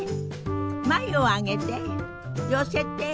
眉を上げて寄せて。